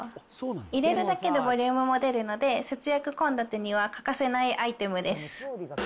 入れるだけでボリュームも出るので、節約献立には欠かせないアイテムです。